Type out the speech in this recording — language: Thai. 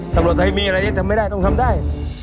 ตำรวจไทยมีอะไรที่ทำไม่ได้ต้องทำได้